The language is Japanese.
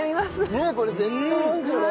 ねえこれ絶対うまいですよね。